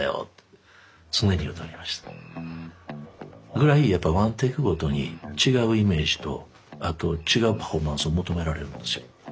ぐらいやっぱワンテイクごとに違うイメージとあと違うパフォーマンスを求められるんですよ。